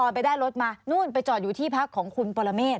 ไปได้รถมานู่นไปจอดอยู่ที่พักของคุณปรเมฆ